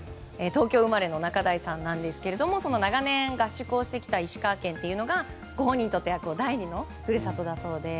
東京生まれの仲代さんなんですけども長年、合宿をしてきた石川県というのがご本人にとって第２の故郷だそうで。